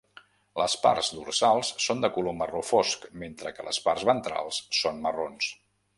Les parts dorsals són de color marró fosc, mentre que les parts ventrals són marrons.